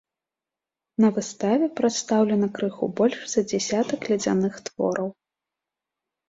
На выставе прадстаўлена крыху больш за дзясятак ледзяных твораў.